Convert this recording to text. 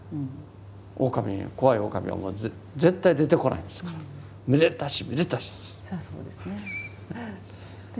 オオカミに怖いオオカミはもう絶対出てこないんですからめでたしめでたしです。